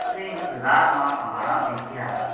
اُسیں بزار ما ہوانا دیکھیا